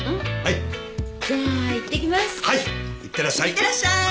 いってらっしゃーい。